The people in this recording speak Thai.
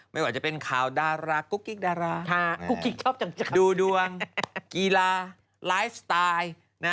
ไม่ว่าจะเป็นข่าวดารากุกกิกดาราดูดวงกีฬาไลฟ์สไตล์